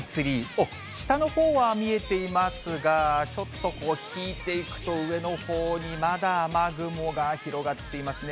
おっ、下のほうは見えていますが、ちょっと引いていくと、上のほうにまだ雨雲が広がっていますね。